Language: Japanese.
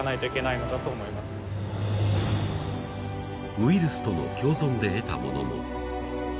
ウイルスとの共存で得たものも。